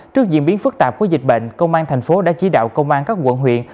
trước diễn biến phức tạp của dịch bệnh công an thành phố đã chỉ đạo công an các quận huyện